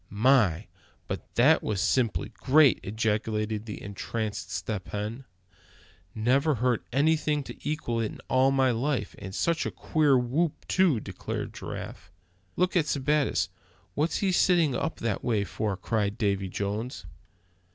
"My! but that was simply great!" ejaculated the entranced Step Hen. "Never heard anything to equal it in all my life; and such a queer whoop too!" declared Giraffe. "Look at Sebattis; what's he sitting up that way for?" cried Davy Jones.